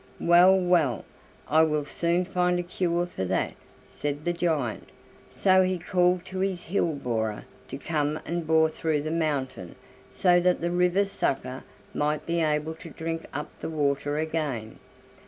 "Well, well, I will soon find a cure for that," said the giant, so he called to his hill borer to come and bore through the mountain so that the river sucker might be able to drink up the water again.